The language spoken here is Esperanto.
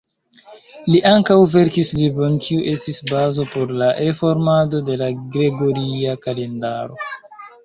Li ankaŭ verkis libron kiu estis bazo por la reformado de la gregoria kalendaro.